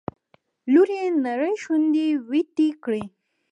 لور يې نرۍ شونډې ويتې کړې.